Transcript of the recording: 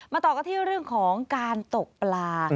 ต่อกันที่เรื่องของการตกปลา